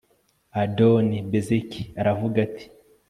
adoni bezeki aravuga ati